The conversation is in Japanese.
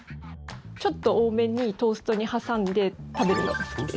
ちょっと多めにトーストに挟んで食べるのが好きです。